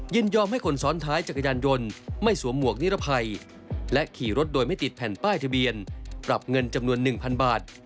ยอมให้คนซ้อนท้ายจักรยานยนต์ไม่สวมหมวกนิรภัยและขี่รถโดยไม่ติดแผ่นป้ายทะเบียนปรับเงินจำนวน๑๐๐บาท